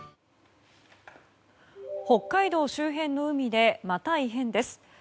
北海道周辺の海でまた異変です。